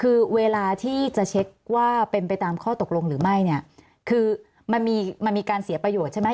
คือเวลาที่จะเช็คว่าเป็นไปตามข้อตกลงหรือไม่เนี่ยคือมันมีมันมีการเสียประโยชน์ใช่ไหม